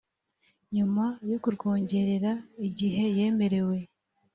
nyuma yo kurwongerera igihe yemerewe